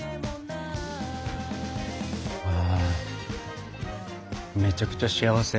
ああめちゃくちゃ幸せ。